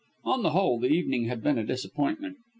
On the whole, the evening had been a disappointment.